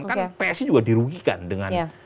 kan psi juga dirugikan dengan